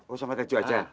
oh sama tejo aja